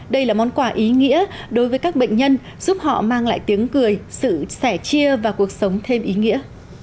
đây là món quà ý nghĩa đối với các bệnh nhân giúp họ mang lại tiếng cười sự sẻ chia và cuộc sống thêm ý nghĩa